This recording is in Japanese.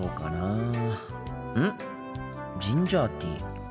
ジンジャーティー。